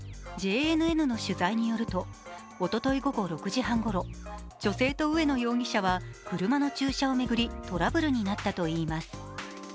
ＪＮＮの取材によると、おととい午後６時半ごろ、女性と上野容疑者は車の駐車を巡りトラブルになったといいます。